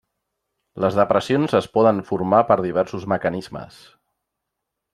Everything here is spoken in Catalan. Les depressions es poden formar per diversos mecanismes.